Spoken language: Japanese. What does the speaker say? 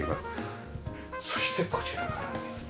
そしてこちらが。